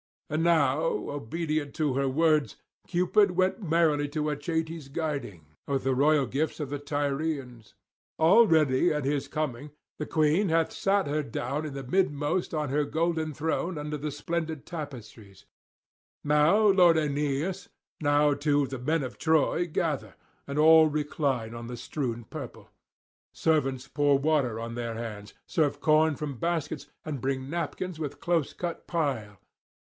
And now, obedient to her words, Cupid went merrily in Achates' guiding, with the royal gifts for the Tyrians. Already at his coming the queen hath sate her down in the midmost on her golden [699 733]throne under the splendid tapestries; now lord Aeneas, now too the men of Troy gather, and all recline on the strewn purple. Servants pour water on their hands, serve corn from baskets, and bring napkins with close cut pile.